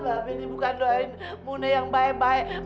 bae ini bukan doain mune yang baik baik